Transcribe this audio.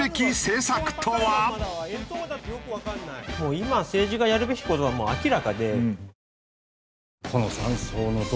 今政治がやるべき事はもう明らかで。